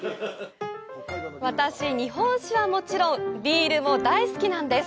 私、日本酒はもちろん、ビールも大好きなんです。